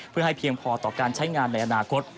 เพื่อให้เพียงพอต่อการใช้งานในอนาคต